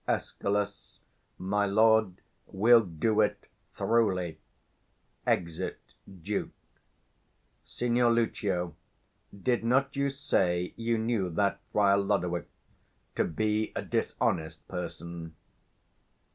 Escal. My lord, we'll do it throughly. [Exit Duke.] Signior Lucio, did not you say you knew that Friar Lodowick to be a dishonest person?